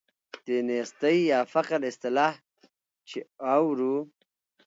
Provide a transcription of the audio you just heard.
د نیستۍ یا فقر اصطلاح چې اورو.